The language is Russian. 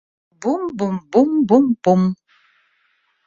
Бум, бум, бум, бум, бум.